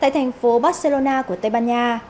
tại thành phố barcelona của tây ban nha